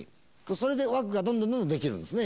それで枠がどんどんどんどんできるんですね。